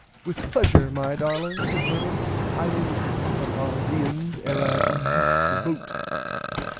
With pleasure my darling said Bernard I will just pack up our viands ere I unloose the boat.